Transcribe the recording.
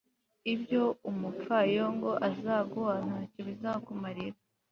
ibyo umupfayongo azaguha, nta cyo bizakumarira